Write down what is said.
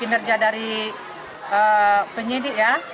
kinerja dari penyidik ya